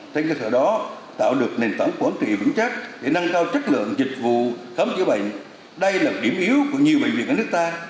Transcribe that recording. trên cơ sở đó tạo được nền tảng quản trị vững chắc để nâng cao chất lượng dịch vụ khám chữa bệnh đây là điểm yếu của nhiều bệnh viện ở nước ta